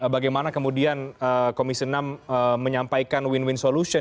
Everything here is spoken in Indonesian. bagaimana kemudian komisi enam menyampaikan win win solution